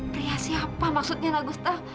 pria siapa maksudnya nak gustaf